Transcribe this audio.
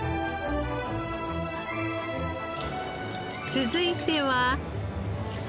続いては。